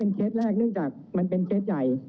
เรามีการปิดบันทึกจับกลุ่มเขาหรือหลังเกิดเหตุแล้วเนี่ย